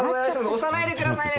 押さないでくださいね